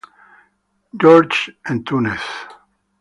George's, en Túnez.